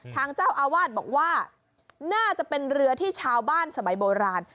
ทางเจ้าอาวาสบอกว่าน่าจะเป็นเรือที่ชาวบ้านสมัยโบราณ